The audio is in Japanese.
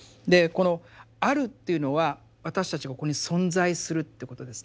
でこの「ある」というのは私たちがここに存在するってことですね。